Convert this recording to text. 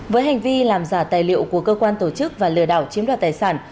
với hành vi làm giả tài liệu của cơ quan tổ chức và lừa đảo chiếm đoạt tài sản